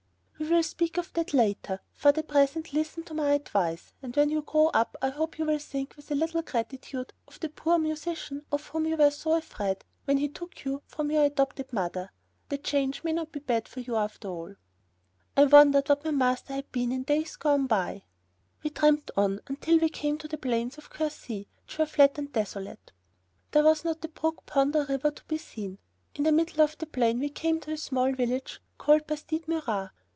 "We will speak of that later. For the present listen to my advice, and when you grow up I hope you will think with a little gratitude of the poor musician of whom you were so afraid when he took you from your adopted mother. The change may not be bad for you after all." I wondered what my master had been in the days gone by. We tramped on until we came to the plains of Quercy, which were very flat and desolate. There was not a brook, pond, or river to be seen. In the middle of the plain we came to a small village called Bastide Murat.